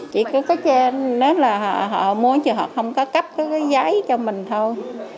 chị cứ có chê nói là họ mua chứ họ không có cấp cái giấy cho mình thôi